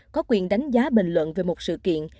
có quyền đánh giá bình luận về một sự kiện